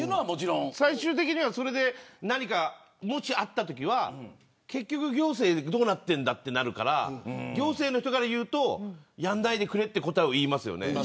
最終的にはそれで、もし何かあったときは結局、行政どうなってるんだとなるから行政の人からいうとやらないでくれということを言いますよね。